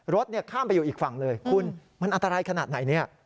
รถข้ามไปอยู่อีกฝั่งเลยคุณมันอันตรายขนาดไหนเนี่ย